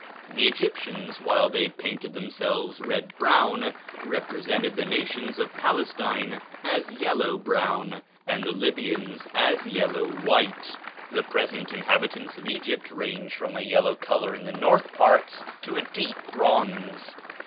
The Egyptians, while they painted themselves red brown, represented the nations of Palestine as yellow brown, and the Libyans yellow white. The present inhabitants of Egypt range from a yellow color in the north parts to a deep bronze.